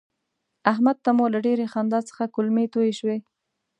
احمد ته مو له ډېرې خندا څخه کولمې توی شوې.